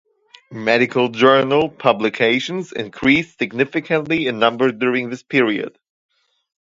Medical journal publications increased significantly in number during this period.